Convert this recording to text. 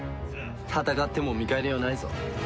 戦っても見返りはないぞ。